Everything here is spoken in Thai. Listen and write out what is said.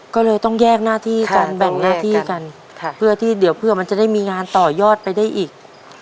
ก็เลยต้องแยกหน้าที่การแบ่งหน้าที่กันเพื่อที่เดี๋ยวเผื่อมันจะได้มีงานต่อยอดไปได้อีก